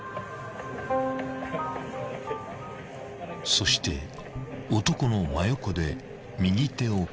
［そして男の真横で右手を確認］